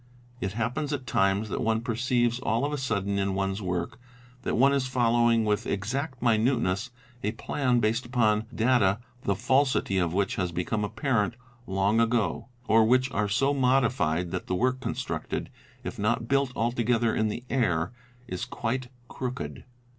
It happens at times that one perceives all of a sudden in one's work that one is following with exact minuteness a plan based upon data the falsity of which has become apparent long ago, or which are so modified that the work constructed, if not built altogether in the air, is quite crooked.